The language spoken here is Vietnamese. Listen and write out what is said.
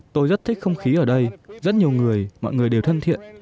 tôi rất thích không khí ở đây rất nhiều người mọi người đều thân thiện